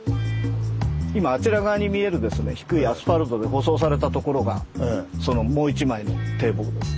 今あちら側に見えるですね低いアスファルトで舗装されたところがそのもう一枚の堤防です。